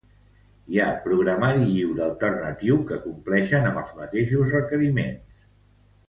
Hi ha programari lliure alternatiu que compleixen amb els mateixos requeriments.